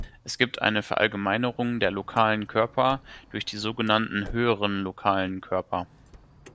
Es gibt eine Verallgemeinerung der lokalen Körper durch die sogenannten höheren lokalen Körper.